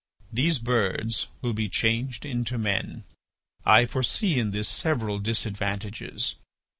These birds will be changed into men. I foresee in this several disadvantages.